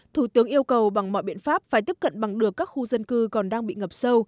thủ tướng yêu cầu bằng mọi biện pháp phải tiếp cận bằng được các khu dân cư còn đang bị ngập sâu